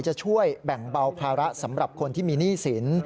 จะช่วยแบ่งเบาภาระสำหรับคนที่มีหนี้สิน